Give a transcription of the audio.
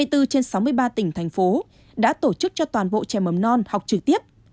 hai mươi bốn trên sáu mươi ba tỉnh thành phố đã tổ chức cho toàn bộ trẻ mầm non học trực tiếp